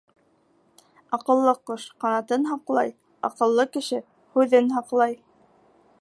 Аҡыллы ҡош ҡанатын һаҡлай, аҡыллы кеше һүҙен һаҡлай.